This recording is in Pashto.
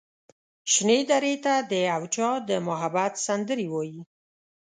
شنې درې ته د یو چا د محبت سندرې وايي